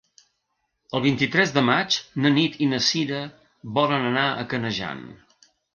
El vint-i-tres de maig na Nit i na Cira volen anar a Canejan.